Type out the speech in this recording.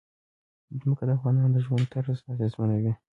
ځمکه د افغانانو د ژوند طرز اغېزمنوي.